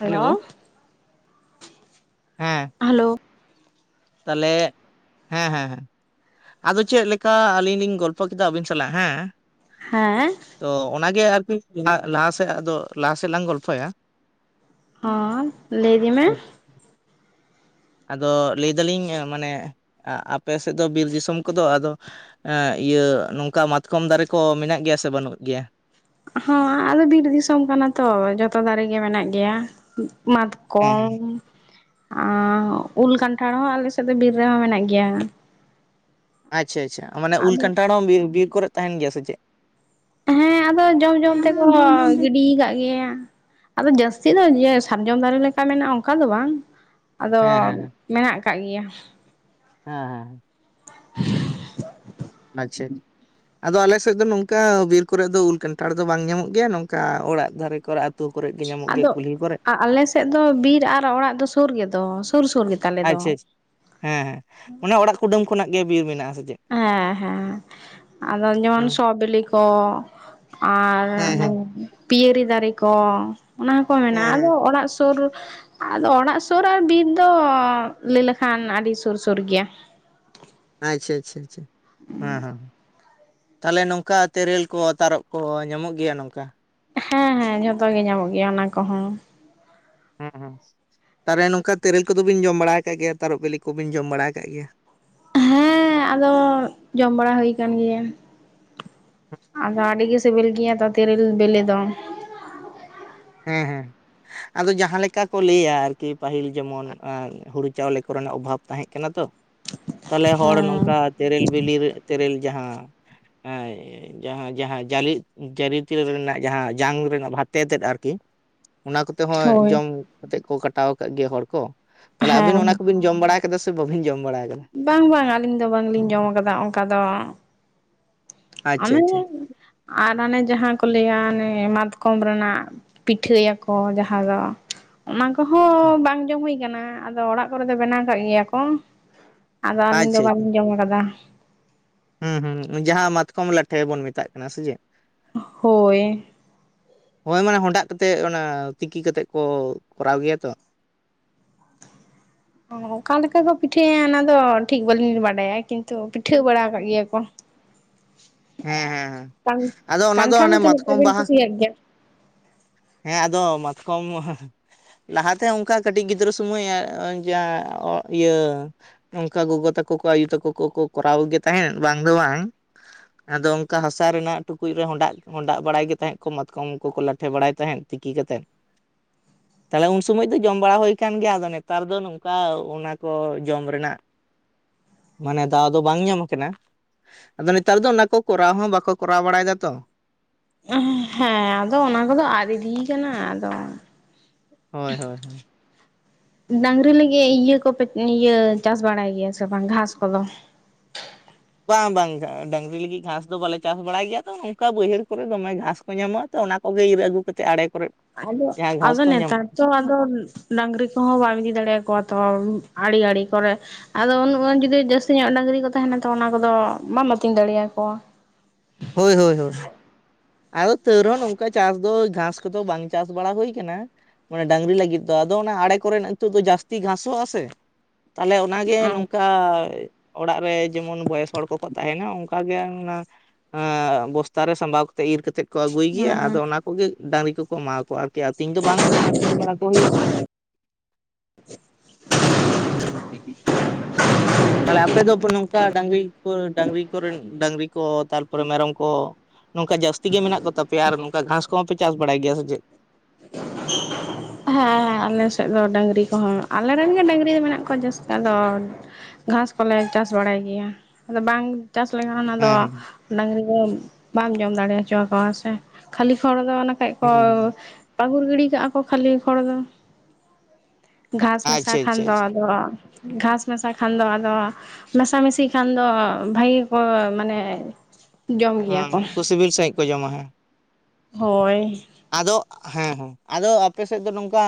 Hello ᱦᱮᱸ hello ᱛᱟᱦᱚᱞᱮ ᱦᱮᱸ ᱦᱮᱸ ᱦᱮᱸ ᱟᱫᱚ ᱪᱮᱫ ᱞᱮᱠᱟ ᱟᱹᱞᱤᱧ ᱞᱤᱧ ᱜᱚᱞᱯᱚ ᱠᱮᱫᱟ ᱟᱹᱵᱤᱱ ᱥᱟᱞᱟᱜ ᱦᱮᱸ ᱦᱮᱸ ᱛᱚ ᱚᱱᱟᱜᱮ ᱟᱨᱠᱤ ᱞᱟ ᱞᱟᱦᱟᱥᱮᱫᱚ ᱟᱫᱚ ᱞᱟᱦᱟᱥᱮᱫ ᱞᱟᱝ ᱜᱚᱞᱯᱷᱚᱭᱟ ᱦᱚᱸᱭ ᱞᱟ. ᱭᱫᱤ ᱢᱮ ᱟᱫᱚ ᱞᱮᱭ ᱫᱟᱞᱤᱧ ᱢᱟᱱᱮ ᱟᱯᱮ ᱥᱮᱫ ᱫᱚ ᱵᱤᱨ ᱫᱤᱥᱚᱢ ᱠᱚᱫᱚ ᱟᱫᱚ ᱤᱭᱟᱹ ᱱᱚᱝᱠᱟ ᱢᱟᱛᱠᱚᱢ ᱫᱟᱨᱮ ᱠᱚ ᱢᱮᱱᱟᱜ ᱜᱮᱭᱟ ᱥᱮ ᱵᱟᱹᱱᱩᱜ ᱜᱮᱭᱟ ᱦᱚ ᱟᱫᱚ ᱵᱤᱨ ᱫᱤᱥᱚᱢ ᱠᱟᱱᱟ ᱛᱚ ᱡᱚᱛᱚ ᱫᱟᱨᱮ ᱢᱮᱱᱟᱜ ᱜᱮᱭᱟ ᱢᱟᱛ ᱦᱮᱸ ᱦᱮᱸ ᱠᱚᱢ ᱟᱨ ᱩᱞ ᱠᱟᱱᱴᱷᱟᱲ ᱦᱚᱸ ᱟᱞᱮ ᱥᱮᱜ ᱫᱚ ᱵᱤᱨ ᱨᱮᱦᱚᱸ ᱢᱮᱱᱟᱜ ᱜᱮᱭᱟ᱾ ᱟᱪᱪᱷᱟ ᱟᱪᱪᱷᱟ ᱢᱟᱱᱮ ᱩᱞ ᱟᱫᱚ ᱠᱟᱱᱴᱟᱲ ᱦᱚᱸ ᱵᱤᱨ ᱠᱚᱨᱮᱫ ᱛᱟᱦᱮᱱ ᱜᱮᱭᱟ ᱥᱮ ᱪᱮᱫ ᱦᱮᱸ ᱟᱫᱚ ᱡᱚᱢ ᱡᱚᱢ ᱛᱮᱠᱚ ᱜᱤᱰᱤ ᱠᱟᱜ ᱜᱮᱭᱟ ᱟᱫᱚ ᱡᱟᱹᱥᱛᱤ ᱫᱚ ᱡᱮ ᱥᱟᱨᱡᱚᱢ ᱫᱟᱨᱮ ᱞᱮᱠᱟ ᱢᱮᱱᱟᱜᱼᱟ ᱚᱱᱠᱟ ᱫᱚ ᱵᱟᱝ ᱟᱫᱚ ᱦᱮᱸ ᱦᱮᱸ ᱦᱮᱸ ᱢᱮᱱᱟᱜ ᱠᱟᱜ ᱜᱮᱭᱟ ᱦᱮᱸ ᱦᱮᱸ [unintelligible] ᱟᱪᱪᱷᱟ ᱟᱫᱚ ᱟᱞᱮ ᱥᱮᱜ ᱫᱚ ᱱᱚᱝᱠᱟ ᱵᱤᱨ ᱠᱚᱨᱮᱜ ᱫᱚ ᱩᱞ ᱠᱷᱟᱱᱴᱷᱟᱲ ᱫᱚ ᱵᱟᱝ ᱧᱟᱢᱚᱜ ᱜᱮᱭᱟ ᱱᱚᱝᱠᱟ ᱚᱲᱟᱜ ᱫᱷᱟᱨᱮ ᱠᱚᱨᱮ ᱠᱚᱨᱮ ᱜᱮ ᱧᱟᱢᱚᱜ ᱜᱮᱭᱟ ᱟᱫᱚ ᱠᱩᱞᱦᱤ ᱠᱚᱨᱮ ᱟᱞᱮ ᱥᱮᱜ ᱫᱚ ᱵᱤᱨ ᱟᱨ ᱚᱲᱟᱜ ᱫᱚ ᱥᱳᱨ ᱜᱮᱫᱚ ᱥᱳᱨ ᱥᱳᱨ ᱟᱪᱪᱷᱟ ᱟᱪᱷᱟ ᱦᱮᱸ ᱦᱮᱸ ᱚᱱᱮ ᱚᱲᱟᱜ ᱠᱩᱰᱟᱹᱢ ᱠᱷᱚᱱᱟᱜ ᱜᱮ ᱵᱤᱨ ᱢᱮᱱᱟᱜᱼᱟ ᱟᱥᱮ ᱪᱮᱫ ᱦᱮᱸ ᱦᱮᱸ ᱟᱫᱚ ᱡᱮᱢᱚᱱ ᱦᱮᱸ ᱥᱚ ᱵᱮᱞᱮ ᱠᱚ ᱟᱨ ᱦᱮᱸ ᱯᱤᱭᱟᱹᱨᱤ ᱫᱟᱨᱮ ᱠᱚ ᱚᱱᱟ ᱦᱚᱸᱠᱚ ᱢᱮᱱᱟᱜᱼᱟ ᱟᱫᱚ ᱦᱮᱸ ᱚᱲᱟᱜ ᱥᱳᱨ ᱟᱫᱚ ᱚᱲᱟᱜ ᱥᱳᱨ ᱟᱨ ᱵᱤᱨ ᱫᱚ ᱞᱟᱹᱭ ᱞᱮᱠᱷᱟᱱ ᱟᱹᱰᱤ ᱥᱳᱨ ᱥᱳᱨ ᱜᱮᱭᱟ ᱟᱪᱪᱷᱟ ᱟᱪᱪᱷᱟ ᱟᱪᱪᱷᱟ ᱦᱮᱸ ᱦᱮᱸ ᱛᱟᱦᱞᱮ ᱱᱚᱝᱠᱟ ᱛᱮᱨᱮᱞ ᱠᱚ ᱛᱟᱨᱚᱵ ᱠᱚ ᱧᱟᱢᱚᱜ ᱜᱮᱭᱟ ᱱᱚᱝᱠᱟ ᱦᱮᱸ ᱦᱮᱸ ᱡᱷᱚᱛᱚ ᱜᱮ ᱧᱟᱢᱚᱜ ᱜᱮᱭᱟ ᱚᱱᱟ ᱠᱚᱦᱚᱸ᱾ ᱦᱮᱸ ᱦᱮᱸ ᱛᱟᱨᱮ ᱱᱚᱝᱠᱟ ᱛᱮᱨᱮᱞ ᱠᱚᱫᱚ ᱵᱤᱱ ᱡᱚᱢ ᱵᱟᱲᱟ ᱠᱟᱜ ᱜᱮᱭᱟ ᱛᱟᱨᱚᱯ ᱵᱤᱞᱤ ᱠᱚᱵᱤᱱ ᱡᱚᱢ ᱵᱟᱲᱟ ᱠᱟᱜ ᱜᱮᱭᱟ ᱦᱮᱸ ᱟᱫᱚ ᱡᱚᱢ ᱵᱟᱲᱟ ᱦᱳᱭ ᱠᱟᱱ ᱜᱮᱭᱟ ᱾ ᱟᱫᱚ ᱟᱹᱰᱤ ᱜᱮ ᱥᱮᱵᱮᱞ ᱜᱮᱭᱟ ᱛᱚ ᱛᱮᱨᱮᱞ ᱵᱮᱞᱮ ᱫᱚ ᱾ ᱦᱮᱸ ᱦᱮᱸ ᱟᱫᱚ ᱡᱟᱦᱟᱸ ᱞᱮᱠᱟ ᱠᱚ ᱞᱟᱹᱭᱟ ᱟᱨᱠᱤ ᱯᱟᱹᱦᱤᱞ ᱡᱮᱢᱚᱱ ᱦᱩᱲᱩ ᱪᱟᱣᱞᱮ ᱠᱚᱨᱮᱱᱟᱜ ᱚᱵᱷᱟᱵ ᱛᱟᱦᱮᱜ ᱠᱟᱱᱟ ᱛᱚ ᱛᱟᱦᱞᱮ ᱦᱚᱲ ᱱᱚᱝᱠᱟ ᱦᱮᱸ ᱛᱮᱨᱮᱞ ᱵᱤᱞᱤ ᱨᱮ ᱛᱮᱨᱮᱞ ᱡᱟᱦᱟᱹ ᱦᱮᱸ ᱡᱟᱦᱟ ᱡᱟᱦᱟ ᱡᱟᱞᱤ ᱛᱤᱨᱤᱞ ᱨᱮᱱᱟᱜ ᱡᱟᱦᱟ ᱡᱟᱝ ᱨᱮᱱᱟᱜ ᱵᱷᱟᱛᱮ ᱛᱮᱫ ᱟᱨᱠᱤ ᱚᱱᱟ ᱠᱚᱛᱮ ᱦᱚᱸ ᱦᱳᱭ ᱡᱚᱢ ᱠᱟᱛᱮᱜ ᱠᱚ ᱠᱟᱴᱟᱣ ᱠᱟᱜ ᱜᱮ ᱦᱚᱲ ᱠᱚ ᱾ ᱛᱟᱦᱚᱞᱮ ᱦᱮᱸ ᱟᱵᱤᱱ ᱚᱱᱟ ᱦᱮᱸ ᱠᱚᱵᱤᱱ ᱡᱚᱢ ᱵᱟᱲᱟ ᱠᱟᱫᱟ ᱥᱮ ᱵᱟᱹᱵᱤᱱ ᱡᱚᱢ ᱵᱟᱲᱟ ᱠᱟᱫᱟ? ᱵᱟᱝ ᱵᱟᱝ ᱟᱹᱞᱤᱧ ᱫᱚ ᱵᱟᱝᱞᱤᱧ ᱡᱚᱢ ᱠᱟᱫᱟ ᱚᱝᱠᱟ ᱫᱚ ᱟᱪᱪᱷᱟ ᱚᱱᱮ ᱟᱪᱪᱷᱟ ᱟᱨ ᱚᱱᱮ ᱡᱟᱦᱟ ᱠᱚ ᱞᱟᱹᱭᱟ ᱚᱱᱮ ᱢᱟᱛᱠᱚᱢ ᱨᱮᱱᱟᱜ ᱯᱤᱴᱷᱟᱹ ᱭᱟᱠᱚ ᱡᱟᱦᱟ ᱫᱚ ᱚᱱᱟ ᱠᱚᱦᱚᱸ ᱵᱟᱝ ᱡᱚᱢ ᱦᱳᱭ ᱠᱟᱱᱟ ᱟᱫᱚ ᱚᱲᱟᱜ ᱠᱚᱨᱮ ᱫᱚ ᱵᱮᱱᱟᱣ ᱠᱟᱜ ᱜᱮᱭᱟ ᱠᱚ ᱟᱫᱚ ᱟᱹᱞᱤᱧ ᱫᱚ ᱟᱪᱪᱷᱟ ᱟᱪᱪᱷᱟ ᱵᱟᱹᱞᱤᱧ ᱡᱚᱢ ᱠᱟᱫᱟᱹ ᱾ ᱦᱩᱸ ᱦᱩᱸ ᱡᱟᱦᱟᱸ ᱢᱟᱛᱠᱚᱢ ᱞᱟᱴᱷᱮ ᱵᱚᱱ ᱢᱮᱛᱟᱜ ᱠᱟᱱᱟ ᱥᱮ ᱪᱮᱜ᱾ ᱦᱳᱭ᱾ ᱦᱳᱭ ᱢᱟᱱᱮ ᱦᱚᱰᱟᱜ ᱠᱟᱛᱮᱜ ᱚᱱᱟ ᱛᱤᱠᱤ ᱠᱟᱛᱮᱜ ᱠᱚ ᱠᱚᱨᱟᱣ ᱜᱮᱭᱟ ᱛᱚ᱾ ᱚᱠᱟ ᱞᱮᱠᱟ ᱠᱚ ᱯᱤᱴᱷᱟᱹᱭᱟ ᱚᱱᱟ ᱫᱚ ᱴᱷᱤᱠ ᱵᱟᱹᱞᱤᱧ ᱵᱟᱰᱟᱭᱟ ᱠᱤᱱᱛᱩ ᱯᱤᱴᱷᱟᱹ ᱵᱟᱲᱟ ᱠᱟᱜ ᱜᱮᱭᱟ ᱠᱚ᱾ ᱦᱮᱸ ᱦᱮᱸ ᱦᱮᱸ ᱟᱫᱚ ᱚᱱᱟ ᱫᱚ ᱠᱟᱱᱴᱷᱟᱲ ᱦᱟᱱᱮ ᱛᱤᱱᱟᱹᱜ ᱴᱟ ᱢᱟᱛᱠᱚᱢ ᱵᱤᱱ ᱵᱟᱦᱟ ᱠᱩᱥᱤᱭᱟᱜ ᱜᱮᱭᱟ ᱦᱮᱸ ᱟᱫᱚ ᱢᱟᱛᱠᱚᱢ ᱞᱟᱦᱟᱛᱮ ᱚᱱᱠᱟ ᱠᱟᱹᱴᱤᱡ ᱜᱤᱫᱽᱨᱟᱹ ᱥᱩᱢᱟᱹᱭ ᱡᱟ ᱤᱭᱟᱹ ᱚᱱᱠᱟ ᱜᱚᱜᱚ ᱛᱟᱠᱚ ᱠᱚ ᱟᱭᱩ ᱛᱟᱠᱚ ᱠᱚᱠᱚ ᱠᱚᱨᱟᱣ ᱜᱮ ᱛᱟᱦᱮᱫ ᱵᱟᱝ ᱫᱚ ᱵᱟᱝ ᱟᱫᱚ ᱚᱱᱠᱟ ᱦᱟᱥᱟ ᱨᱮᱱᱟᱜ ᱴᱩᱠᱩᱡ ᱨᱮ ᱦᱚᱰᱟᱜ, ᱦᱚᱰᱟᱜ ᱵᱟᱲᱟᱭ ᱜᱮ ᱛᱟᱦᱮᱜ ᱠᱚ ᱢᱟᱛᱠᱚᱢ ᱠᱚᱠᱚ ᱞᱟᱴᱷᱮ ᱵᱟᱲᱟᱭ ᱛᱟᱦᱮᱫ ᱛᱤᱠᱤ ᱠᱟᱛᱮᱫ [inaudible] [unintelligible] [inaudible] [unintelligible] [inaudible] [inaudible] [unintelligible] [inaudible] [unintelligible] [inaudible] [inaudible] [unintelligible] [inaudible] [unintelligible] [unintelligible] [inaudible] [unintelligible] ᱛᱟᱦᱞᱮ ᱩᱱ ᱥᱩᱢᱟᱹᱡ ᱫᱚ ᱡᱚᱢ ᱵᱟᱲᱟ ᱦᱳᱭ ᱠᱟᱱ ᱜᱮᱭᱟ ᱟᱫᱚ ᱱᱮᱛᱟᱨ ᱫᱚ ᱱᱚᱝᱠᱟ ᱚᱱᱟ ᱠᱚ ᱡᱚᱢ ᱨᱮᱱᱟᱜ ᱢᱟᱱᱮ ᱫᱟᱣ ᱫᱚ ᱵᱟᱝ ᱧᱟᱢ ᱠᱟᱱᱟ, ᱟᱫᱚ ᱱᱮᱛᱟᱨ ᱫᱚ ᱚᱱᱟ ᱠᱚ ᱠᱚᱨᱟᱣ ᱦᱚᱸ ᱵᱟᱠᱚ ᱠᱚᱨᱟᱣ ᱵᱟᱲᱟᱭ ᱫᱟᱛᱚ᱾ ᱦᱮᱸ ᱟᱫᱚ ᱚᱱᱟ ᱠᱚᱫᱚ ᱟᱫ ᱤᱫᱤ ᱠᱟᱱᱟ ᱟᱫᱚ᱾ ᱦᱳᱭ ᱦᱳᱭ ᱦᱳᱭ᱾ ᱰᱟᱝᱨᱤ ᱞᱟᱹᱜᱤᱜ ᱤᱭᱟᱹ ᱠᱚᱯᱮ ᱤᱭᱟᱹ ᱪᱟᱥ ᱵᱟᱲᱟᱭ ᱜᱮᱭᱟ ᱥᱮ ᱵᱟᱝ ᱜᱷᱟᱥ ᱠᱚᱫᱚ? ᱵᱟᱝ ᱵᱟᱝ ᱜᱟ ᱰᱟᱹᱝᱨᱤ ᱞᱟᱹᱜᱤᱫ ᱜᱷᱟᱸᱥ ᱫᱚ ᱵᱟᱞᱮ ᱪᱟᱥ ᱵᱟᱲᱟᱭ ᱜᱮᱭᱟ ᱛᱚ ᱱᱚᱝᱠᱟ ᱵᱟᱹᱭᱦᱟᱹᱲ ᱠᱚᱨᱮ ᱫᱚᱢᱮ ᱜᱷᱟᱸᱥ ᱠᱚ ᱧᱟᱢᱚᱜᱼᱟ ᱛᱚ ᱚᱱᱟ ᱠᱚᱜᱮ ᱤᱨ ᱟᱹᱜᱩ ᱠᱟᱛᱮᱫ ᱟᱲᱮ ᱠᱚᱨᱮ᱾ ᱟᱫᱚ ᱡᱟᱦᱟᱸ ᱜᱷᱟᱥ ᱟᱫᱚ ᱠᱚ ᱱᱮᱛᱟᱨ ᱧᱟᱢᱚᱜᱼᱟ ᱛᱚ ᱟᱫᱚ ᱰᱟᱝᱨᱤ ᱠᱚᱦᱚᱸ ᱵᱟᱢ ᱤᱫᱤ ᱫᱟᱲᱮᱭᱟᱠᱚᱣᱟ ᱛᱚ ᱟᱲᱮ ᱟᱲᱮ ᱠᱚᱨᱮ ᱟᱫᱚ ᱩᱱᱩᱜ ᱜᱟᱱ ᱡᱩᱫᱤ ᱡᱟᱹᱥᱛᱤ ᱧᱚᱜ ᱰᱟᱹᱝᱨᱤ ᱠᱚ ᱛᱟᱦᱮᱱᱟ ᱛᱚ ᱚᱱᱟ ᱠᱚᱫᱚ ᱵᱟᱢ ᱟᱹᱛᱤᱧ ᱫᱟᱲᱮᱭᱟᱠᱚᱣᱟ᱾ ᱦᱳᱭ ᱦᱳᱭ ᱦᱳᱭ ᱟᱫᱚ ᱛᱟᱹᱣ ᱨᱮᱦᱚᱸ ᱱᱚᱝᱠᱟ ᱪᱟᱥ ᱫᱚ ᱜᱷᱟᱸᱥ ᱠᱚᱫᱚ ᱵᱟᱝ ᱪᱟᱥ ᱵᱟᱲᱟ ᱦᱩᱭ ᱟᱠᱟᱱᱟ ᱢᱟᱱᱮ ᱰᱟᱝᱨᱤ ᱞᱟᱹᱜᱤᱫ ᱫᱚ ᱟᱫᱚ ᱚᱱᱟ ᱟᱲᱮ ᱠᱚᱨᱮᱱᱟᱜ ᱱᱤᱛᱚᱜ ᱫᱚ ᱡᱟᱹᱥᱛᱤ ᱜᱷᱟᱸᱥᱚᱜᱼᱟᱥᱮ ᱛᱟᱦᱞᱮ ᱚᱱᱟᱜᱮ ᱦᱮᱸ ᱱᱚᱝᱠᱟ ᱟᱻᱭ ᱚᱲᱟᱜ ᱨᱮ ᱡᱮᱢᱚᱱ ᱵᱚᱭᱮᱥ ᱦᱚᱲ ᱠᱚᱠᱚ ᱛᱟᱦᱮᱱᱟ ᱚᱱᱠᱟ ᱜᱮ ᱚᱱᱟ ᱮᱸ ᱵᱚᱥᱛᱟ ᱨᱮ ᱥᱟᱢᱵᱟᱣ ᱠᱟᱛᱮᱜ ᱤᱨ ᱠᱟᱛᱮᱜ ᱠᱚ ᱟᱹᱜᱩᱭ ᱜᱮᱭᱟ ᱦᱮᱸ ᱟᱫᱚ ᱚᱱᱟ ᱠᱚᱜᱮ ᱰᱟᱝᱨᱤ ᱠᱚᱠᱚ ᱮᱢᱟᱣ ᱠᱚᱣᱟ ᱟᱨ ᱟᱹᱛᱤᱧ ᱫᱚ ᱵᱟᱝ ᱟᱹᱛᱤᱧ ᱵᱟᱝᱲᱟ ᱠᱚ ᱦᱩᱭᱩᱜ ᱦᱮᱸ [unintelligible] ᱛᱟᱦᱞᱮ ᱟᱯᱮ ᱫᱚ ᱱᱚᱝᱠᱟ ᱰᱟᱝᱨᱤ ᱠᱚ ᱰᱟᱝᱨᱤ ᱠᱚᱨᱮᱱ ᱰᱟᱝᱨᱤ ᱠᱚ ᱛᱟᱨ ᱯᱚᱨᱮ ᱢᱮᱨᱚᱢ ᱠᱚ ᱱᱚᱝᱠᱟ ᱡᱟᱹᱥᱛᱤ ᱜᱮ ᱢᱮᱱᱟᱜ ᱠᱚᱛᱟᱯᱮᱭᱟ ᱟᱨ ᱱᱚᱝᱠᱟ ᱜᱷᱟᱸᱥ ᱠᱚᱦᱚᱸᱯᱮ ᱪᱟᱥ ᱵᱟᱲᱟᱭ ᱜᱮᱭᱟ ᱥᱮ ᱪᱮᱫ? ᱦᱮᱸ ᱦᱮᱸ ᱟᱞᱮ ᱥᱮᱫ ᱫᱚ ᱰᱟᱹᱝᱨᱤ ᱠᱚᱦᱚᱸ ᱟᱞᱮ ᱨᱮᱱ ᱜᱮ ᱰᱟᱹᱝᱨᱤ ᱫᱚ ᱢᱮᱱᱟᱜ ᱠᱚᱣᱟ ᱡᱟᱹᱥᱛᱤ ᱟᱫᱚ ᱜᱷᱟᱸᱥ ᱠᱚᱞᱮ ᱪᱟᱥ ᱵᱟᱲᱟᱭ ᱜᱮᱭᱟ ᱟᱫᱚ ᱵᱟᱝ ᱪᱟᱥ ᱞᱮᱠᱷᱟᱱ ᱚᱱᱟᱫᱚ ᱦᱮᱸ ᱦᱮᱸ ᱾ ᱰᱟᱝᱨᱤ ᱫᱚ ᱵᱟᱢ ᱡᱚᱢ ᱫᱟᱲᱮ ᱦᱚᱪᱚ ᱟᱠᱚᱣᱟ ᱥᱮ ᱠᱷᱟᱹᱞᱤ ᱯᱷᱚᱲ ᱫᱚ ᱚᱱᱟ ᱠᱷᱟᱡ ᱠᱚ ᱦᱮᱸ ᱦᱮᱸ ᱯᱟᱹᱜᱩᱨ ᱜᱤᱰᱤ ᱠᱟᱜᱼᱟ ᱠᱚ ᱠᱷᱟᱹᱞᱤ ᱯᱷᱚᱲ ᱫᱚ ᱜᱷᱟᱥ ᱢᱮᱥᱟ ᱟᱪᱪᱷᱟ ᱠᱷᱟᱱ ᱟᱪᱪᱷᱟ ᱫᱚ ᱟᱪᱪᱷᱟ ᱟᱫᱚ ᱜᱷᱟᱥ ᱢᱮᱥᱟ ᱠᱷᱟᱱ ᱫᱚ‌ ᱟᱫᱚᱣᱟ ᱢᱮᱥᱟᱢᱤᱥᱤ ᱠᱷᱟᱱ ᱫᱚ ᱵᱷᱟᱹᱜᱤ ᱠᱚ ᱢᱟᱱᱮ ᱡᱚᱢ ᱜᱮᱭᱟ ᱦᱮᱸ ᱠᱚ ᱩᱱᱠᱩ ᱥᱤᱵᱤᱞ ᱥᱟᱸᱤᱡ ᱠᱚ ᱡᱚᱢᱟ ᱦᱮᱸ᱾ ᱦᱳᱭ ᱟᱫᱚ ᱦᱮᱸ ᱦᱮᱸ ᱟᱫᱚ ᱟᱯᱮ ᱥᱮᱫ ᱫᱚ ᱱᱚᱝᱠᱟ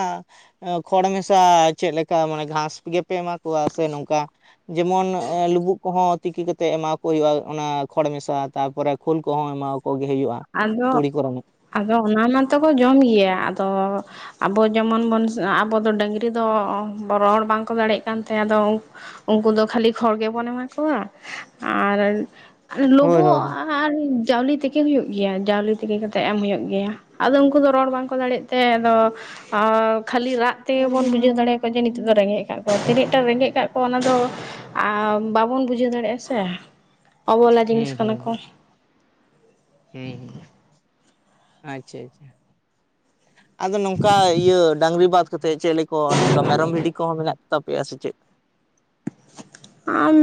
ᱠᱷᱚᱲ ᱢᱮᱥᱟ ᱪᱮᱫ ᱞᱮᱠᱟ ᱢᱟᱱᱮ ᱜᱷᱟᱥ ᱜᱮᱯᱮ ᱮᱢᱟ ᱠᱚᱣᱟ ᱥᱮ ᱱᱚᱝᱠᱟ ᱡᱮᱢᱚᱱ ᱞᱩᱵᱩᱜ ᱠᱚᱦᱚᱸ ᱛᱤᱠᱤ ᱠᱟᱛᱮᱜ ᱮᱢᱟ ᱠᱚ ᱦᱩᱭᱩᱜᱼᱟ ᱚᱱᱟ ᱠᱷᱚᱲ ᱢᱮᱥᱟ ᱛᱟᱯᱚᱨᱮ ᱠᱷᱳᱞ ᱠᱚᱦᱚᱸ ᱮᱢᱟᱣ ᱠᱚᱜᱮ ᱦᱩᱭᱩᱜᱼᱟ᱾ ᱟᱫᱚ ᱛᱩᱲᱤ ᱠᱚᱨᱮᱱᱟᱜ ᱟᱫᱚ ᱚᱱᱟ ᱢᱟᱛᱚ ᱠᱚ ᱡᱚᱢ ᱜᱮᱭᱟ ᱟᱫᱚ ᱟᱵᱚ ᱡᱮᱢᱚᱱ ᱵᱚᱱ ᱟᱵᱚ ᱫᱚ ᱰᱟᱹᱝᱨᱤ ᱫᱚ ᱨᱚᱲ ᱵᱟᱝᱠᱚ ᱫᱟᱲᱮᱭᱟᱜ ᱠᱟᱱ ᱛᱮ ᱟᱫᱚ ᱩᱱᱠᱩ ᱫᱚ ᱠᱷᱟᱹᱞᱤ ᱠᱷᱚᱲ ᱜᱮᱵᱚᱱ ᱮᱢᱟ ᱠᱚᱣᱟ, ᱟᱨ ᱦᱳᱭ ᱞᱩᱵᱩᱜ ᱦᱳᱭ ᱦᱳᱭ ᱟᱨ ᱡᱟᱣᱞᱤ ᱛᱮᱠᱤ ᱦᱩᱭᱩᱜ ᱜᱮᱭᱟ ᱡᱟᱣᱞᱤ ᱛᱤᱠᱤ ᱠᱟᱛᱮᱜ ᱮᱢ ᱦᱩᱭᱩᱜ ᱜᱮᱭᱟ, ᱟᱫᱚ ᱩᱱᱠᱩ ᱫᱚ ᱨᱚᱲ ᱵᱟᱝᱠᱚ ᱫᱟᱲᱮᱜ ᱛᱮ, ᱟᱫᱚ ᱟᱨ ᱠᱷᱟᱹᱞᱤ ᱨᱟᱜ ᱛᱮᱵᱚᱱ ᱵᱩᱡᱷᱟᱹᱣ ᱫᱟᱲᱮᱭᱟᱠᱚᱣᱟ ᱡᱮ ᱱᱤᱛᱚᱜ ᱫᱚ ᱨᱮᱸᱜᱮᱡ ᱠᱟᱜ ᱠᱚᱣᱟ ᱛᱤᱱᱟᱹᱜᱴᱟ ᱨᱮᱸᱜᱮᱡ ᱠᱟᱜ ᱠᱚᱣᱟ ᱚᱱᱟ ᱫᱚ ᱵᱟᱵᱚᱱ ᱵᱩᱡᱷᱟᱹᱣ ᱫᱟᱲᱮᱭᱟᱜᱼᱟ ᱥᱮ- ᱚᱵᱚᱞᱟ ᱡᱤᱱᱤᱥ ᱦᱩᱸ ᱠᱟᱱᱟ ᱦᱩᱸ ᱠᱚ᱾ ᱦᱩᱸ ᱦᱩᱸ ᱟᱪᱪᱷᱟ ᱟᱪᱪᱷᱟ ᱟᱫᱚ ᱱᱚᱝᱠᱟ ᱤᱭᱟᱹ ᱰᱟᱝᱨᱤ ᱵᱟᱫ ᱠᱟᱛᱮᱫ ᱪᱮᱫ ᱞᱮᱠᱚ ᱱᱚᱝᱠᱟ ᱢᱮᱨᱚᱢ ᱵᱷᱤᱰᱤ ᱠᱚᱦᱚᱸ ᱢᱮᱱᱟᱜ ᱠᱚ ᱛᱟᱯᱮᱭᱟ ᱥᱮ ᱪᱮᱫ? ᱟᱢ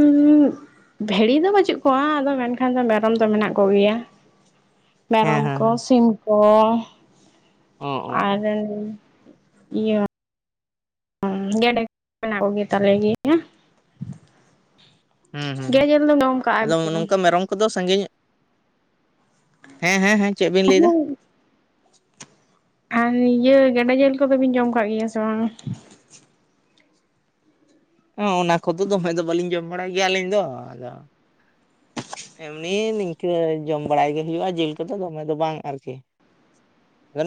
ᱵᱷᱤᱲᱤ ᱫᱚ ᱵᱟᱹᱪᱩᱜ ᱠᱚᱣᱟ ᱟᱫᱚ ᱢᱮᱱᱠᱷᱟᱱ ᱫᱚ ᱢᱮᱨᱚᱢ ᱫᱚ ᱢᱮᱱᱟᱜ ᱠᱚᱜᱮᱭᱟ᱾ ᱦᱮᱸ ᱢᱮᱨᱚᱢ ᱦᱮᱸ ᱠᱚ ᱦᱮᱸ ᱥᱤᱢ ᱠᱚ ᱚ ᱚ ᱟᱨ ᱚ ᱤᱭᱟᱹ ᱚᱢ ᱜᱮᱰᱮ ᱢᱮᱱᱟᱜ ᱠᱚᱜᱮᱛᱟᱞᱮ ᱜᱮᱭᱟ᱾ ᱦᱩᱸ ᱦᱩᱸ ᱜᱮᱰᱮ ᱡᱤᱞ ᱫᱚᱢ ᱡᱚᱢ ᱟᱫᱚ ᱟᱠᱟᱜᱼᱟ ᱥᱮ ᱵᱟᱝ? ᱱᱚᱝᱠᱟ ᱢᱮᱨᱚᱢ ᱠᱚᱫᱚ ᱥᱟᱜᱤᱧᱚᱜ ᱦᱮᱸ ᱦᱮᱸ ᱦᱮᱸ ᱪᱮᱫ ᱵᱤᱱ ᱞᱟᱹᱭ ᱫᱟ? ᱟᱨ ᱤᱭᱟᱹ ᱜᱮᱰᱮ ᱡᱤᱞ ᱠᱚᱫᱚ ᱵᱤᱱ ᱡᱚᱢ ᱠᱟᱜ ᱜᱮᱭᱟ ᱥᱮ ᱵᱟᱝ? ᱮᱸ ᱚᱱᱟ ᱠᱚᱫᱚ ᱫᱚᱢᱮ ᱫᱚ ᱵᱟᱹᱞᱤᱧ ᱡᱚᱢ ᱵᱟᱲᱟᱭ ᱜᱮᱭᱟ ᱟᱹᱞᱤᱧ ᱫᱚ, ᱟᱫᱚ ᱮᱢᱱᱤ ᱱᱤᱝᱠᱟᱹ ᱡᱚᱢ ᱵᱟᱲᱟᱭ ᱜᱮ ᱦᱩᱭᱩᱜᱼᱟ, ᱡᱤᱞ ᱠᱚᱫᱚ ᱫᱚᱢᱮ ᱫᱚ ᱵᱟᱝ ᱟᱨᱠᱤ᱾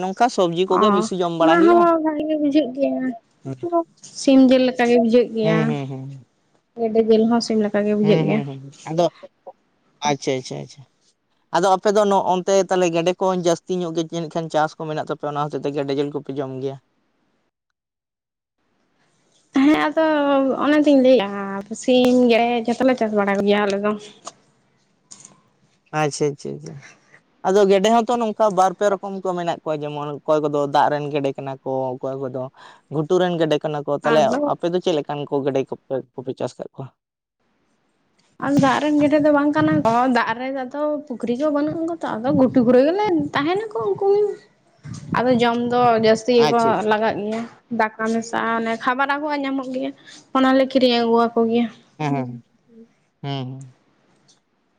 ᱱᱚᱝᱠᱟ ᱥᱚᱵᱡᱤ ᱠᱚᱜᱮ ᱚ ᱵᱮᱥᱤ ᱡᱚᱢ ᱚᱱᱟ ᱵᱟᱲᱟᱭ ᱦᱩᱭᱩᱜᱼᱟ᱾ ᱦᱚᱸ ᱵᱷᱟᱜᱮ ᱜᱮ ᱵᱩᱡᱷᱟᱹᱜ ᱜᱮᱭᱟ ᱥᱤᱢ ᱡᱤᱞ ᱞᱮᱠᱟ ᱜᱮ ᱵᱩᱡᱷᱟᱹᱜ ᱜᱮᱭᱟ ᱦᱩᱸ ᱦᱩᱸ ᱜᱮᱰᱮ ᱡᱤᱞ ᱦᱚᱸ ᱥᱤᱢ ᱞᱮᱠᱟ ᱜᱮ ᱵᱩᱡᱷᱟᱹᱜ ᱦᱩᱸ ᱜᱮᱭᱟ ᱦᱩᱸ ᱦᱩᱸ ᱟᱫᱚ ᱟᱪᱪᱷᱟ ᱟᱪᱪᱷᱟ ᱟᱪᱪᱷᱟ᱾ ᱟᱫᱚ ᱟᱯᱮ ᱫᱚ ᱱᱚᱜ ᱚᱱᱛᱮ ᱜᱮᱰᱮ ᱠᱚ ᱡᱟᱹᱥᱛᱤ ᱧᱚᱜ ᱜᱮ ᱠᱷᱟᱱ ᱪᱟᱥ ᱠᱚ ᱢᱮᱱᱟᱜ ᱛᱟᱯ ᱯᱮ ᱚᱱᱟ ᱦᱚᱛᱮ ᱛᱮ ᱜᱮᱰᱮ ᱡᱮᱞ ᱠᱚᱯᱮ ᱡᱚᱢ ᱜᱮᱭᱟ᱾ ᱦᱮᱸ ᱟᱫᱚ ᱚᱱᱟᱛᱤᱧ ᱞᱟᱹᱭᱮᱫᱼᱟ ᱥᱤᱢ ᱜᱮᱲᱮᱫ ᱡᱚᱛᱚ ᱚᱞᱮ ᱪᱟᱥ ᱵᱟᱲᱟ ᱠᱚᱜᱮᱭᱟ ᱟᱞᱮ ᱫᱚ᱾ ᱟᱪᱪᱷᱟ ᱟᱪᱪᱷᱟ ᱟᱪᱪᱷᱟ᱾ ᱟᱫᱚ ᱜᱮᱰᱮ ᱦᱚᱸᱛᱚ ᱱᱚᱝᱠᱟ ᱵᱟᱨᱯᱮ ᱨᱚᱠᱚᱢ ᱠᱚ ᱢᱮᱱᱟᱜ ᱠᱚᱣᱟ ᱡᱮᱢᱚᱱ ᱚᱠᱚᱭ ᱠᱚᱫᱚ ᱫᱟᱜ ᱨᱮᱱ ᱜᱮᱰᱮ ᱠᱟᱱᱟ ᱠᱚ ᱚᱠᱚᱭ ᱠᱚᱫᱚ ᱜᱷᱩᱴᱩᱨ ᱨᱮᱱ ᱜᱮᱰᱮ ᱠᱟᱱᱟ ᱠᱚ, ᱛᱟᱦᱚᱞᱮ ᱟᱫᱚ ᱟᱯᱮ ᱫᱚ ᱪᱮᱫ ᱞᱮᱠᱟᱱ ᱠᱚ ᱜᱮᱰᱮ ᱠᱚᱯᱮ ᱠᱚᱯᱮ ᱪᱟᱥ ᱟᱠᱟᱫ ᱠᱚᱣᱟ? ᱟᱫᱚ ᱫᱟᱜ ᱨᱮᱱ ᱜᱮᱤᱰᱮ ᱫᱚ ᱵᱟᱝ ᱠᱟᱱᱟ ᱠᱚ, ᱫᱟᱜ ᱨᱮ ᱟᱫᱚ ᱯᱩᱠᱷᱨᱤ ᱠᱚ ᱵᱟᱹᱱᱩᱜᱼᱟ ᱛᱚ ᱟᱫᱚ ᱜᱷᱩᱴᱩ ᱠᱚᱨᱮ ᱜᱮᱞᱮ ᱛᱟᱦᱮᱱᱟᱠᱚ ᱩᱱᱠᱩ ᱟᱫᱚ ᱡᱚᱢ ᱫᱚ ᱡᱟᱹᱥᱛᱤ ᱜᱮᱠᱚ ᱟᱪᱪᱷᱟ ᱟᱪᱪᱷᱟ ᱞᱟᱜᱟᱜ ᱜᱮᱭᱟ᱾ ᱫᱟᱠᱟ ᱢᱮᱥᱟ ᱚᱱᱮ ᱠᱷᱟᱵᱟᱨ ᱟᱜᱩᱣᱟᱜ ᱧᱟᱢᱚᱜ ᱜᱮᱭᱟ ᱚᱱᱟᱞᱮ ᱠᱤᱨᱤᱧ ᱟᱹᱜᱩᱣᱟ ᱠᱚ ᱜᱮᱭᱟ᱾ ᱦᱮᱸ ᱦᱩᱸ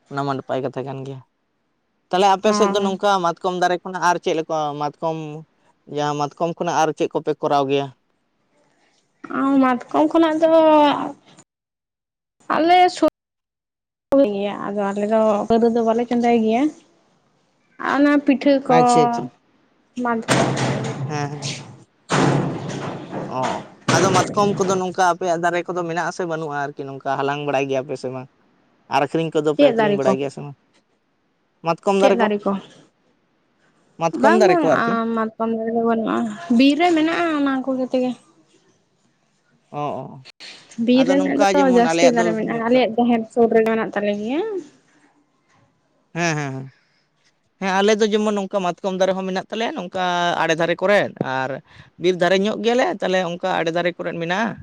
ᱚᱱᱟ ᱢᱟ ᱱᱟᱯᱟᱭ ᱠᱟᱛᱷᱟ ᱠᱟᱱ ᱜᱮᱭᱟ᱾ ᱛᱟᱦᱚᱞᱮ ᱟᱯᱮ ᱥᱮᱫ ᱫᱚ ᱱᱚᱝᱠᱟ ᱢᱟᱛᱠᱚᱢ ᱫᱟᱨᱮ ᱠᱷᱚᱱᱟᱜ ᱟᱨ ᱪᱮᱫ ᱞᱮᱠᱟ ᱢᱟᱛᱠᱚᱢ ᱡᱟᱦᱟᱸ ᱢᱟᱛᱠᱚᱢ ᱠᱷᱚᱱᱟᱜ ᱟᱨ ᱪᱮᱫ ᱠᱚᱯᱮ ᱠᱚᱨᱟᱣ ᱜᱮᱭᱟ? ᱟᱸ ᱢᱟᱛᱠᱚᱢ ᱠᱷᱚᱱᱟᱜ ᱫᱚ ᱟᱞᱮ ᱥᱚ ᱜᱮᱭᱟ ᱟᱫᱚ ᱟᱞᱮ ᱫᱚ ᱯᱟᱹᱨᱟᱹ ᱫᱚ ᱵᱟᱞᱮ ᱪᱚᱸᱫᱟᱭ ᱜᱮᱭᱟ᱾ ᱟᱨ ᱚᱱᱟ ᱯᱤᱴᱷᱟᱹ ᱠᱚ ᱟᱪᱪᱷᱟ ᱟᱪᱪᱷᱟ ᱢᱟ ᱦᱮᱸ ᱦᱮᱸ ᱚ ᱟᱫᱚ ᱢᱟᱛᱠᱚᱢ ᱠᱚᱫᱚ ᱱᱚᱝᱠᱟ ᱟᱯᱮᱭᱟᱜ ᱫᱟᱨᱮ ᱠᱚᱫᱚ ᱢᱮᱱᱟᱜ ᱟᱥᱮ ᱵᱟᱹᱱᱩᱜᱼᱟ ᱟᱨᱠᱤ ᱱᱚᱝᱠᱟ ᱦᱟᱞᱟᱝ ᱵᱟᱲᱟᱭ ᱜᱮᱭᱟᱯᱮ ᱥᱮ ᱵᱟᱝ? ᱟᱨ ᱟᱠᱷᱨᱤᱧ ᱠᱚᱫᱚᱯᱮ ᱪᱮᱫ ᱟᱠᱷᱨᱤᱧ ᱫᱟᱨᱮ ᱠᱚ ᱵᱟᱲᱟᱭ ᱜᱮᱭᱟ ᱥᱮ ᱵᱟᱝ? ᱪᱮᱫ ᱫᱟᱨᱮ ᱠᱚ᱾ ᱢᱟᱛᱠᱚᱢ ᱵᱟᱝ ᱫᱟᱨᱮ ᱵᱟᱝ ᱠᱚ ᱟᱨᱠᱤ ᱢᱟ ᱠᱚᱢ ᱫᱟᱨᱮ ᱫᱚ ᱵᱟᱹᱱᱩᱜᱼᱟ ᱴ, ᱵᱤᱨ ᱨᱮ ᱢᱮᱱᱟᱜᱼᱟ ᱚᱱᱟ ᱠᱚᱜᱮ ᱛᱮᱜᱮ ᱚᱻ ᱵᱤᱨ ᱨᱮᱱᱟᱜ ᱫᱚ ᱡᱟᱹᱥᱛᱤ ᱫᱟᱨᱮ ᱢᱮᱱᱟᱜᱼᱟ ᱧᱚᱜ ᱠᱟᱜ ᱟᱞᱮᱭᱟᱜ ᱡᱟᱦᱮᱨ ᱥᱩᱨ ᱨᱮ ᱢᱮᱱᱟᱜ ᱛᱟᱞᱮ ᱜᱮᱭᱟ᱾ ᱦᱮᱸ ᱦᱮᱸ ᱦᱮᱸ ᱦᱮᱸ ᱟᱞᱮ ᱫᱚ ᱡᱮᱢᱚᱱ ᱱᱚᱝᱠᱟ ᱢᱟᱛᱠᱚᱢ ᱫᱟᱨᱮ ᱦᱚᱸ ᱢᱮᱱᱟᱜ ᱛᱟᱞᱮᱭᱟ ᱱᱚᱝᱠᱟ ᱟᱲᱮ ᱫᱷᱟᱨᱮ ᱠᱚᱨᱮ ᱟᱨ ᱵᱤᱨ ᱫᱷᱟᱨᱮ ᱧᱚᱜ ᱜᱮᱭᱟᱞᱮ ᱛᱟᱦᱞᱮ ᱚᱱᱠᱟ ᱟᱲᱮ ᱫᱷᱟᱨᱮ ᱠᱚᱨᱮᱫ ᱢᱮᱱᱟᱜᱼᱟ᱾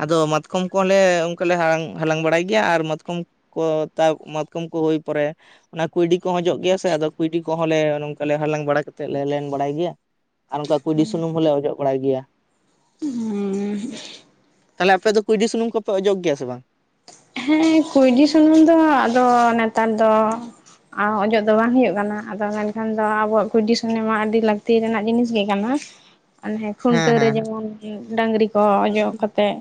ᱟᱫᱚ ᱢᱟᱛᱠᱚᱢ ᱠᱚᱦᱚᱸ ᱞᱮ ᱚᱱᱠᱟ ᱞᱮ ᱦᱟᱞᱟᱝ ᱵᱟᱲᱟᱭ ᱜᱮᱭᱟ ᱟᱨ ᱢᱟᱛᱠᱚᱢ ᱠᱚ ᱢᱟᱛᱠᱚᱢ ᱠᱚ ᱦᱩᱭ ᱯᱚᱨᱮ ᱚᱱᱟ ᱠᱩᱭᱰᱤ ᱠᱚᱦᱚᱸ ᱡᱚᱜ ᱜᱮᱭᱟ ᱥᱮ ᱟᱫᱚ ᱠᱩᱭᱰᱤ ᱠᱚᱦᱚᱸ ᱞᱮᱮ ᱱᱚᱝᱠᱟ ᱞᱮ ᱦᱟᱞᱟᱝ ᱵᱟᱲᱟ ᱠᱟᱛᱮᱫ ᱞᱮ ᱞᱮᱱ ᱵᱟᱲᱟᱭ ᱜᱮᱭᱟ ᱟᱨ ᱚᱱᱠᱟ ᱠᱩᱩᱭᱰᱤ ᱥᱩᱱᱩᱢ ᱦᱚᱸᱞᱮ ᱚᱡᱚᱜ ᱵᱟᱲᱟᱭ ᱜᱮᱭᱟ᱾ ᱛᱟᱞᱦᱮ ᱟᱯᱮ ᱫᱚ ᱠᱩᱭᱰᱤ ᱥᱩᱱᱩᱢ ᱠᱚᱯᱮ ᱚᱡᱚᱜ ᱜᱮᱭᱟ ᱥᱮ ᱵᱟᱝ? ᱦᱮᱸ ᱠᱩᱸᱭᱰᱤ ᱥᱩᱱᱩᱢ ᱫᱚ ᱟᱫᱚ ᱱᱮᱛᱟᱨ ᱫᱚ ᱚᱡᱚᱜ ᱫᱚ ᱵᱟᱝ ᱦᱩᱭᱩᱜ ᱠᱟᱱᱟ ᱟᱫᱚ ᱢᱮᱱᱠᱷᱟᱱ ᱫᱚ ᱟᱵᱚᱣᱟᱜ ᱠᱩᱭᱰᱤ ᱥᱩᱱᱩᱢ ᱢᱟ ᱟᱹᱰᱤ ᱞᱟᱹᱠᱛᱤ ᱨᱮᱱᱟᱜ ᱡᱤᱱᱤᱥ ᱜᱮ ᱠᱟᱱᱟ ᱚᱱᱮ ᱦᱮᱸ ᱠᱷᱩᱱᱴᱟᱹᱣ ᱨᱮ ᱦᱮᱸ ᱡᱮᱢᱚᱱ ᱰᱟᱹᱝᱨᱤ ᱠᱚ ᱚᱡᱚᱜ ᱠᱟᱛᱮᱜ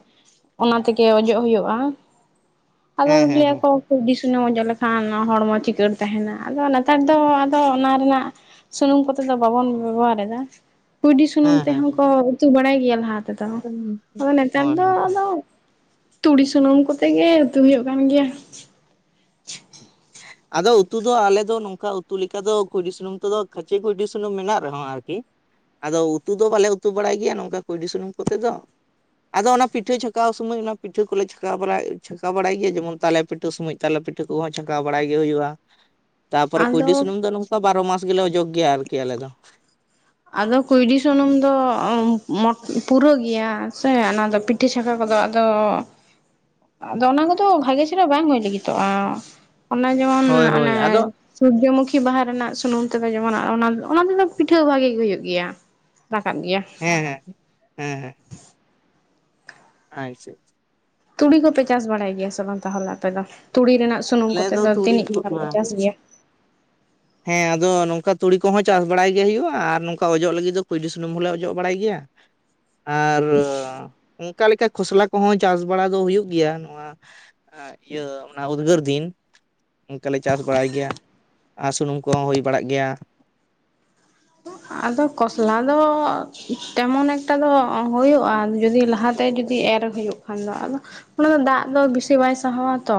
ᱚᱱᱟ ᱛᱮᱜᱮ ᱚᱡᱚᱜ ᱦᱳᱭᱳᱜᱼᱟ᱾ ᱟᱫᱚ ᱦᱮᱸ ᱦᱮᱸ ᱞᱟᱹᱭ ᱦᱮᱸ ᱟᱠᱚ ᱠᱩᱭᱰᱤ ᱥᱩᱱᱩᱢ ᱚᱡᱚᱜ ᱞᱮᱠᱷᱟᱱ ᱦᱚᱲᱢᱚ ᱪᱤᱠᱟᱹᱲ ᱛᱟᱦᱮᱱᱟ ᱟᱫᱚ ᱱᱮᱛᱟᱨ ᱫᱚ ᱟᱫᱚ ᱚᱱᱟ ᱨᱮᱱᱟᱜ ᱥᱩᱱᱩᱢ ᱠᱚᱛᱮ ᱫᱚ ᱵᱟᱵᱚᱱ ᱵᱮᱵᱚᱦᱟᱨ ᱮᱫᱟ ᱠᱩᱸᱭᱰᱤ ᱥᱩᱱᱩᱢ ᱦᱮᱸ ᱦᱮᱸ ᱛᱮᱦᱚᱸ ᱦᱮᱸ ᱦᱮᱸ ᱠᱚ ᱩᱛᱩ ᱵᱟᱲᱟᱭ ᱜᱮᱭᱟ ᱞᱟᱦᱟ ᱛᱮᱫᱚ ᱟᱫᱚ ᱱᱮᱛᱟᱨ ᱦᱳᱭ ᱫᱚ ᱦᱳᱭ ᱟᱫᱚ ᱛᱩᱲᱤ ᱥᱩᱱᱩᱢ ᱠᱚᱛᱮ ᱜᱮ ᱩᱛᱩ ᱦᱩᱭᱩᱜ ᱠᱟᱱ ᱜᱮᱭᱟ᱾ [inaudible] ᱟᱫᱚ ᱩᱛᱩ ᱫᱚ ᱟᱞᱮ ᱫᱚ ᱱᱚᱝᱠᱟ ᱩᱛᱩ ᱞᱮᱠᱟ ᱫᱚ ᱠᱩᱸᱭᱰᱤ ᱥᱩᱱᱩᱢ ᱛᱮᱫᱚ ᱠᱷᱟᱪᱮ ᱠᱩᱸᱭᱰᱤ ᱥᱩᱱᱩᱢ ᱢᱮᱱᱟᱜ ᱨᱮᱦᱚᱸ ᱟᱨᱠᱤ ᱟᱫᱚ ᱩᱛᱩ ᱫᱚ ᱵᱟᱞᱮ ᱩᱛᱩ ᱵᱟᱲᱟᱭ ᱜᱮᱭᱟ ᱱᱚᱝᱠᱟ ᱠᱩᱸᱭᱰᱤ ᱥᱩᱱᱩᱢ ᱠᱚᱛᱮ ᱫᱚ ᱟᱫᱚ ᱚᱱᱟ ᱯᱤᱴᱷᱟᱹ ᱪᱷᱟᱸᱠᱟᱣ ᱥᱚᱢᱚᱭ ᱚᱱᱟ ᱯᱤᱴᱷᱟᱹ ᱠᱚᱞᱮ ᱪᱷᱟᱸᱠᱟᱶ ᱵᱟᱲᱟᱭ ᱪᱷᱟᱸᱠᱟᱣ ᱵᱟᱲᱟᱭ ᱜᱮᱭᱟ ᱡᱮᱢᱚᱱ ᱛᱟᱞᱮ ᱯᱤᱴᱷᱟᱹ ᱥᱚᱢᱚᱭ ᱛᱟᱞᱮ ᱯᱤ ᱴᱷᱟᱹ ᱠᱚᱦᱚᱸ ᱪᱷᱟᱸᱠᱟᱣ ᱵᱟᱲᱟ ᱜᱮ ᱦᱩᱭᱩᱜᱼᱟ ᱛᱟᱯᱚᱨᱮ ᱠᱩᱸᱭᱰᱤ ᱟᱫᱚ ᱥᱩᱱᱩᱢ ᱫᱚ ᱱᱚᱝᱠᱟ ᱵᱟᱨᱚ ᱢᱟᱥ ᱜᱮᱞᱮ ᱚᱡᱚᱜ ᱜᱮᱭᱟ ᱟᱨᱠᱤ ᱟᱞᱮ ᱫᱚ᱾ ᱟᱫᱚ ᱠᱩᱸᱭᱰᱤ ᱥᱩᱱᱩᱢ ᱫᱚ ᱯᱩᱨᱟᱹ ᱜᱮᱭᱟ ᱥᱮ ᱚᱱᱟᱫᱚ ᱯᱤ ᱴᱷᱟᱹ ᱪᱷᱟᱸᱣᱠᱟ ᱠᱚᱫᱚ ᱟᱫᱚ ᱟᱫᱚ ᱚᱱᱟ ᱠᱚᱫᱚ ᱵᱷᱟᱜᱮ ᱪᱮᱦᱨᱟ ᱵᱟᱝ ᱦᱩᱭ ᱞᱟᱹᱜᱤᱫᱚᱜᱼᱟ ᱚᱱᱟ ᱡᱮᱢᱚᱱ ᱦᱳᱭ ᱦᱳᱭ ᱚᱱᱮ ᱟᱫᱚ ᱥᱩᱨᱡᱚᱢᱩᱠᱷᱤ ᱵᱟᱦᱟ ᱨᱮᱱᱟᱜ ᱥᱩᱱᱩᱢ ᱛᱮᱫᱚ ᱡᱮᱢᱚᱱ ᱚᱱᱟ ᱛᱮᱫᱚ ᱯᱤᱴᱷᱟᱹ ᱵᱷᱟᱜᱮ ᱜᱮ ᱦᱩᱭᱩᱜ ᱜᱮᱭᱟ᱾ ᱨᱟᱠᱟᱵᱟ ᱜᱮᱭᱟ᱾ ᱦᱮᱸ ᱦᱮᱸ ᱦᱮᱸ ᱦᱮᱸ᱾ ᱟᱪᱪᱷᱟ ᱟᱪᱪᱷᱟ ᱛᱩᱲᱤ ᱠᱚᱯᱮ ᱪᱟᱥ ᱵᱟᱲᱟᱭ ᱜᱮᱭᱟ ᱥᱮ ᱵᱟᱝ ᱛᱟᱦᱚᱞᱮ ᱟᱯᱮ ᱫᱚ ᱛᱩᱲᱤ ᱨᱮᱱᱟᱜ ᱥᱩᱱᱩᱢ ᱠᱚᱛᱮ ᱫᱚ ᱛᱤᱱᱟᱹᱡ ᱦᱚᱲ ᱠᱚ ᱪᱟᱥ ᱜᱮᱭᱟ [inaudible] ᱦᱮᱸ ᱟᱫᱚ ᱱᱚᱝᱠᱟ ᱛᱩᱲᱤ ᱠᱚᱦᱚᱸ ᱪᱟᱥ ᱵᱟᱲᱟᱭ ᱜᱮ ᱦᱩᱭᱩᱜᱼᱟ ᱟᱨ ᱱᱚᱝᱠᱟ ᱚᱡᱚᱜ ᱞᱟᱹᱜᱤᱫ ᱫᱚ ᱠᱩᱸᱭᱞᱤ ᱥᱩᱱᱩᱢ ᱦᱚᱸᱞᱮ ᱚᱡᱚᱜ ᱵᱟᱲᱟᱭ ᱜᱮᱭᱟ ᱟᱨ ᱚᱠᱟ ᱞᱮᱠᱟ ᱠᱷᱚᱥᱞᱟ ᱠᱚᱦᱚᱸ ᱪᱟᱥ ᱵᱟᱲᱟ ᱫᱚ ᱦᱩᱭᱩᱜ ᱜᱮᱭᱟ ᱱᱚᱣᱟ ᱤᱭᱟᱹ ᱚᱱᱟ ᱩᱫᱽᱜᱟᱹᱨ ᱫᱤᱱ ᱚᱱᱠᱟᱞᱮ ᱪᱟᱥ ᱵᱟᱲᱟᱭ ᱜᱮᱭᱟ ᱟᱨ ᱥᱩᱱᱩᱢ ᱠᱚᱦᱚᱸ ᱦᱩᱭ ᱵᱟᱲᱟᱜ ᱜᱮᱭᱟ᱾ ᱟᱫᱚ ᱠᱚᱥᱞᱟ ᱫᱚ ᱛᱮᱢᱚᱱ ᱮᱠᱴᱟ ᱫᱚ ᱦᱩᱭᱩᱜᱼᱟ᱾ ᱡᱩᱫᱤ ᱞᱟᱦᱟᱛᱮ ᱡᱩᱫᱤ ᱮᱨ ᱦᱩᱭᱩᱜ ᱠᱷᱟᱱ ᱫᱚ ᱟᱫᱚ ᱚᱱᱟ ᱫᱚ ᱫᱟᱜ ᱫᱚ ᱵᱮᱥᱤ ᱵᱟᱭ ᱥᱟᱦᱟᱣᱟ ᱛᱚ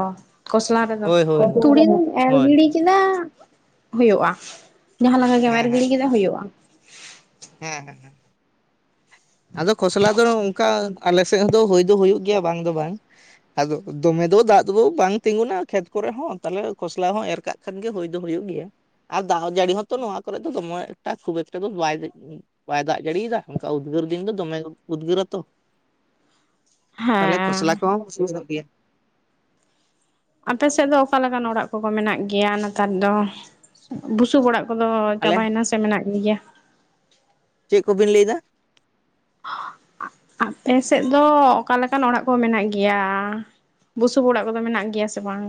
ᱠᱚᱥᱞᱟ ᱨᱮᱫᱚ᱾ ᱦᱳᱭ ᱦᱳᱭ ᱛᱩᱲᱤ ᱫᱚᱢ ᱮᱨ ᱦᱳᱭ ᱜᱤᱲᱤ [unintelligible] ᱦᱳᱭᱳᱜᱼᱟ᱾ ᱡᱟᱸᱦᱟ ᱞᱮᱠᱟ ᱜᱮᱢ ᱦᱮᱸ ᱮᱨ ᱦᱮᱸ ᱜᱤᱲᱤ ᱠᱮᱫᱟ ᱦᱳᱭᱳᱜᱼᱟ᱾ ᱦᱮᱸ ᱦᱮᱸ ᱦᱮᱸ᱾ ᱟᱫᱚ ᱠᱷᱚᱥᱞᱟ ᱫᱚ ᱚᱱᱠᱟ ᱟᱞᱮ ᱥᱮᱫ ᱫᱚ ᱦᱩᱭ ᱫᱚ ᱦᱩᱭᱩᱜ ᱜᱮᱭᱟ ᱵᱟᱝ ᱫᱚ ᱵᱟᱝ ᱟᱫᱚ ᱫᱚᱢᱮ ᱫᱚ ᱫᱟᱜ ᱫᱚ ᱵᱟᱝ ᱛᱤᱸᱜᱩᱱᱟ ᱠᱷᱮᱛ ᱠᱚᱨᱮ ᱦᱚᱸ ᱛᱟᱦᱚᱞᱮ ᱠᱷᱚᱥᱞᱟ ᱦᱚᱸ ᱮᱨ ᱠᱟᱜ ᱠᱷᱟᱱ ᱜᱮ ᱦᱩᱭ ᱫᱚ ᱦᱩᱭᱩᱜ ᱜᱮᱭᱟ ᱟᱨ ᱫᱟᱜ ᱡᱟᱹᱲᱤ ᱦᱚᱸᱛᱚ ᱱᱚᱣᱟ ᱠᱚᱨᱮ ᱫᱚ ᱫᱚᱢᱮ ᱮᱠᱴᱟ ᱠᱷᱩᱵ ᱮᱠᱴᱟ ᱫᱚ ᱵᱟᱭ ᱵᱟᱭ ᱫᱟᱜ ᱡᱟᱹᱲᱤᱭ ᱫᱟ ᱚᱱᱠᱟ [unintelligible] ᱩᱫᱽᱜᱟᱹᱨ ᱫᱤᱱ ᱫᱚ ᱫᱚᱢᱮ ᱩᱫᱽᱜᱟᱹᱨ ᱟᱛᱚ ᱛᱟᱦᱚᱞᱮ ᱠᱷᱚᱥᱞᱟ ᱦᱮᱸ ᱠᱚᱦᱚᱸ [unintelligible] ᱜᱮᱭᱟ ᱟᱯᱮ ᱥᱮᱫ ᱫᱚ ᱚᱠᱟᱞᱮᱠᱟᱱ ᱚᱲᱟᱜ ᱠᱚ ᱜᱳ ᱢᱮᱱᱟᱜ ᱜᱮᱭᱟ ᱱᱮᱛᱟᱨ ᱫᱚ ᱵᱩᱥᱩᱵ ᱚᱲᱟᱜ ᱠᱚᱫᱚ ᱟᱞᱮ ᱪᱟᱵᱟᱭ ᱱᱟ ᱥᱮ ᱢᱮᱱᱟᱜ ᱜᱮᱭᱟ ᱪᱮᱫ ᱠᱚᱵᱤᱱ ᱞᱟᱹᱭ ᱫᱟ? [inaudible] ᱟᱯᱮ ᱥᱮᱫ ᱫᱚ ᱚᱠᱟᱞᱮᱠᱟᱱ ᱚᱲᱟᱜ ᱠᱚ ᱢᱮᱱᱟᱜ ᱜᱮᱭᱟ ᱵᱩᱥᱩᱵ ᱚᱲᱟᱜ ᱠᱚᱫᱚ ᱢᱮᱱᱟᱜ ᱜᱮᱭᱟ ᱥᱮ ᱵᱟᱝ᱾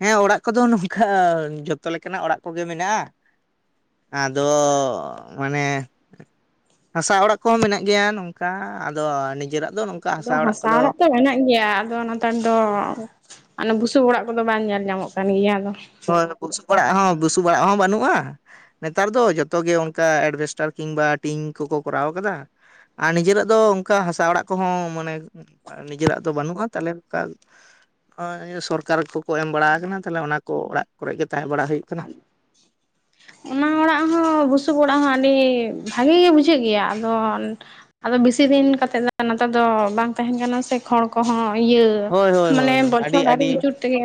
ᱦᱮᱸ ᱚᱲᱟᱜ ᱠᱚᱫᱚ ᱱᱚᱝᱠᱟ ᱡᱷᱚᱛᱚ ᱞᱮᱠᱟᱱᱟᱜ ᱚᱲᱟᱜ ᱠᱚᱜᱮ ᱢᱮᱱᱟᱜᱼᱟ᱾ ᱟᱫᱚ ᱢᱟᱱᱮ ᱦᱟᱥᱟ ᱚᱲᱟᱜ ᱠᱚᱦᱚᱸ ᱢᱮᱱᱟᱜ ᱜᱮᱭᱟ ᱱᱚᱝᱠᱟ ᱟᱫᱚ ᱱᱤᱡᱮᱨᱟᱜ ᱫᱚᱼᱼ ᱟᱫᱚ ᱦᱟᱸᱥᱟ ᱚᱲᱟᱜ ᱛᱚ ᱢᱮᱱᱟᱜ ᱜᱮᱭᱟ ᱟᱫᱚ ᱚᱱᱟ ᱱᱮᱛᱟᱨ ᱫᱚ ᱚᱱᱮ ᱵᱩᱥᱩᱵ ᱚᱲᱟᱜ ᱠᱚᱫᱚ ᱵᱟᱝ ᱧᱮᱞ ᱧᱟᱢᱚᱜ ᱠᱟᱱ ᱜᱮᱭᱟ ᱟᱫᱚ ᱦᱳᱭ ᱵᱩᱥᱩᱵ ᱚᱲᱟᱜ ᱦᱚᱸ ᱵᱩᱥᱩᱵ ᱚᱲᱟᱜ ᱦᱚᱸ ᱵᱟᱹᱱᱩᱜᱼᱟ᱾ ᱱᱮᱛᱟᱨ ᱫᱚ ᱡᱚᱛᱚᱜ ᱜᱮ ᱚᱱᱠᱟ ᱮᱰᱵᱷᱮᱥᱴᱟᱨ ᱠᱤᱢᱵᱟ ᱴᱤᱝ ᱠᱚᱠᱚ ᱠᱚᱨᱟᱣ ᱠᱟᱫᱟ᱾ ᱟᱨ ᱱᱤᱡᱮᱨᱟᱜ ᱫᱚ ᱚᱱᱠᱟ ᱦᱟᱸᱥᱟ ᱚᱲᱟᱜ ᱠᱚᱦᱚᱸ ᱢᱟᱱᱮ ᱱᱤᱡᱮᱨᱟᱜ ᱫᱚ ᱵᱟᱹᱱᱩᱜᱼᱟ ᱛᱟᱦᱚᱞᱮ ᱚᱱᱠᱟ ᱥᱚᱨᱠᱟᱨ ᱠᱚᱠᱚ ᱮᱢ ᱵᱟᱲᱟ ᱠᱟᱱᱟ ᱛᱟᱦᱚᱞᱮ ᱚᱱᱟ ᱛᱳ ᱚᱲᱟᱜ ᱠᱚᱨᱮ ᱜᱮ ᱛᱟᱦᱮᱸ ᱵᱟᱲᱟᱜ ᱦᱩᱭᱩᱜ ᱠᱟᱱᱟ᱾ ᱚᱱᱟ ᱚᱲᱟᱜ ᱦᱚᱸ ᱵᱩᱥᱩᱵ ᱚᱲᱟᱜ ᱦᱚᱸ ᱟᱹᱰᱤ ᱵᱷᱟᱜᱮ ᱜᱮ ᱵᱩᱡᱷᱟᱹᱜ ᱜᱮᱭᱟ ᱟᱫᱚ ᱟᱫᱚ ᱵᱮᱥᱤ ᱫᱤᱱ ᱠᱟᱛᱮᱜ ᱫᱚ ᱱᱮᱛᱟᱨ ᱫᱚ ᱵᱟᱝ ᱛᱟᱦᱮᱱ ᱠᱟᱱᱟ ᱥᱮ ᱠᱷᱚᱲ ᱠᱚᱦᱚᱸ ᱤᱭᱟᱹ ᱦᱳᱭ ᱦᱳᱭ ᱦᱳᱭ ᱢᱟᱱᱮ ᱟᱹᱰᱤ ᱵᱚᱪᱷᱚᱨ ᱟᱹᱣᱨᱤ ᱟᱹᱰᱤ ᱟᱪᱩᱩᱨ ᱛᱮᱜᱮ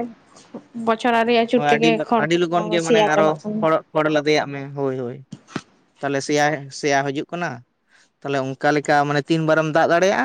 ᱵᱚᱪᱷᱚᱨ ᱟᱹᱣᱨᱤ ᱟᱹᱪᱩᱨ ᱦᱳᱭ ᱟᱹᱰᱤ ᱛᱮᱜᱮ ᱠᱷᱚᱲ ᱠᱚ ᱥᱮᱭᱟ ᱪᱟᱵᱟᱜ ᱠᱟᱱᱟ ᱠᱷᱚᱲ ᱞᱟᱫᱮᱭᱟᱜ ᱢᱮ ᱦᱳᱭ ᱦᱳᱭ ᱛᱟᱦᱚᱞᱮ ᱥᱮᱭᱟ ᱥᱮᱭᱟ ᱦᱤᱡᱩᱜ ᱠᱟᱱᱟ ᱛᱟᱦᱚᱞᱮ ᱚᱱᱠᱟ ᱞᱮᱠᱟ ᱢᱟᱱᱮ ᱛᱤᱱ ᱵᱟᱨᱮᱢ ᱫᱟᱜ ᱫᱟᱲᱮᱭᱟᱜᱼᱟ᱾